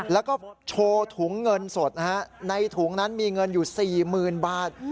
แล้วก็โชว์ถุงเงินสดนะฮะในถุงนั้นมีเงินอยู่๔๐๐๐บาท